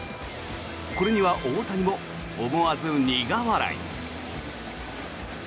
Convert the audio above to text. これには大谷も思わず苦笑い。